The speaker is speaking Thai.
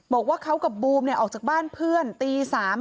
บอกว่าเขากับบูมออกจากบ้านเพื่อนตี๓